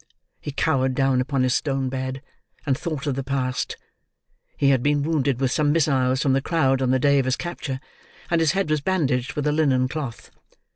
He cowered down upon his stone bed, and thought of the past. He had been wounded with some missiles from the crowd on the day of his capture, and his head was bandaged with a linen cloth.